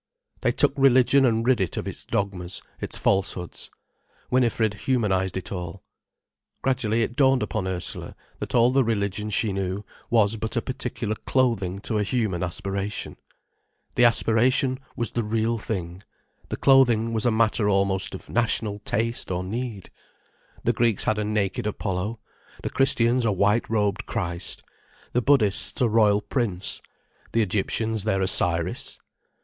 They took religion and rid it of its dogmas, its falsehoods. Winifred humanized it all. Gradually it dawned upon Ursula that all the religion she knew was but a particular clothing to a human aspiration. The aspiration was the real thing,—the clothing was a matter almost of national taste or need. The Greeks had a naked Apollo, the Christians a white robed Christ, the Buddhists a royal prince, the Egyptians their Osiris.